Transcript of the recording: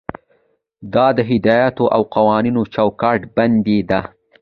دا د هدایاتو او قوانینو چوکاټ بندي ده.